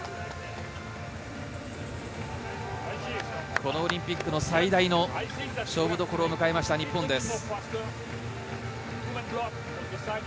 このオリンピックの最大の勝負どころを向ました日本です。